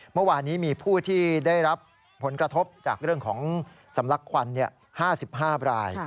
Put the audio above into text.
เมื่อวานนี้มีผู้ที่ได้รับผลกระทบจากเรื่องของสำลักควัน๕๕ราย